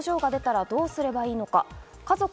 そもそも症状が出たらどうすればいいのか？